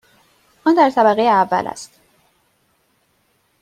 آن در طبقه اول است.